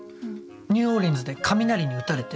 ニューオーリンズで雷に打たれて。